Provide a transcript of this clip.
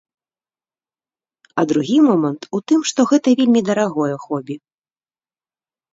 А другі момант у тым, што гэта вельмі дарагое хобі.